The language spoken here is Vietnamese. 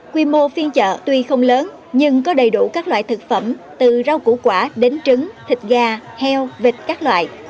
quy mô phiên chợ tuy không lớn nhưng có đầy đủ các loại thực phẩm từ rau củ quả đến trứng thịt gà heo vịt các loại